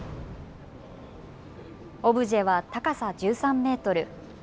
オブジェは高さ１３メートル。